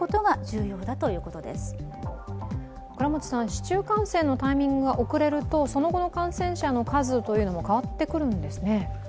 市中感染のタイミングが遅れると、その後の感染者の数も変わってくるんですね。